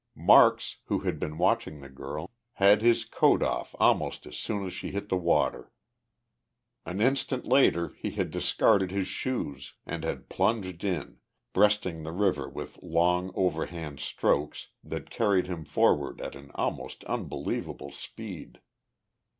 Marks, who had been watching the girl, had his coat off almost as soon as she hit the water. An instant later he had discarded his shoes and had plunged in, breasting the river with long overhand strokes that carried him forward at an almost unbelievable speed.